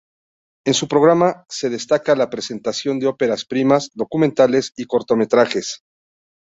En su programa se destaca la presentación de óperas primas, documentales y cortometrajes.